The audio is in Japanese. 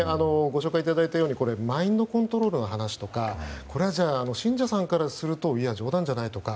ご紹介いただいたようにマインドコントロールの話とかこれは、信者さんからするといや、冗談じゃないとか。